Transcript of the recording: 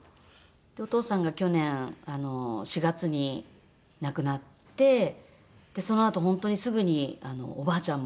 お父さんが去年４月に亡くなってそのあと本当にすぐにおばあちゃんも。